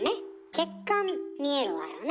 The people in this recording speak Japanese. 血管見えるわよね？